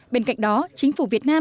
bên cạnh đó chính phủ việt nam